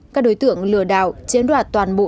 các đối tượng lừa đảo chiến đoạt toàn bộ